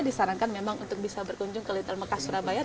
disarankan memang untuk bisa berkunjung ke little mekah surabaya